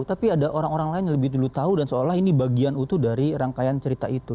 tapi ada orang orang lain yang lebih dulu tahu dan seolah ini bagian utuh dari rangkaian cerita itu